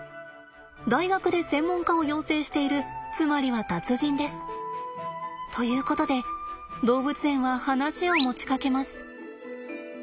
大学で専門家を養成しているつまりは達人です。ということで動物園は話を持ちかけます。